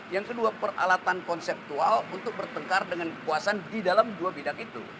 yang kedua peralatan konseptual untuk bertengkar dengan kekuasaan di dalam dua bidang itu